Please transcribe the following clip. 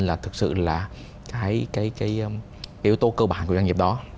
chỉ trường hơn là thực sự là cái yếu tố cơ bản của doanh nghiệp đó